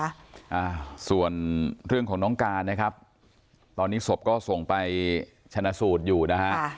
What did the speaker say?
อ่าส่วนเรื่องของน้องการนะครับตอนนี้ศพก็ส่งไปชนะสูตรอยู่นะฮะค่ะ